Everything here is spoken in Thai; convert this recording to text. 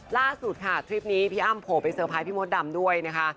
ล่าสุดค่ะทริปนี้พี่อ้ำโผล่ไปเซอร์ไพรสพี่มดดำด้วยนะคะ